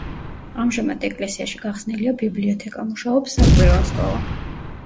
ამჟამად ეკლესიაში გახსნილია ბიბლიოთეკა, მუშაობს საკვირაო სკოლა.